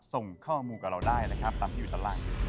ส่งข้อมูลกับเราได้นะครับตามที่วิทยาลัย